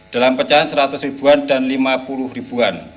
dalam pecahan rp seratus dan rp lima puluh